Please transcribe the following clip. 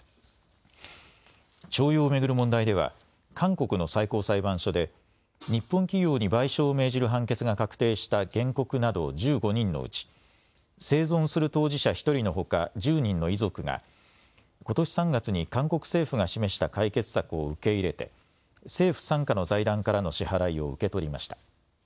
徴用を巡る問題では韓国の最高裁判所で日本企業に賠償を命じる判決が確定した原告など１５人のうち生存する当事者１人のほか１０人の遺族がことし３月に韓国政府が示した解決策を受け入れて政府傘下の財団からの支払いを受け取りました。